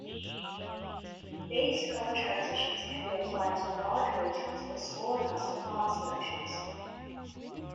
These color transitions can be applied to large regions or smaller custom path selections.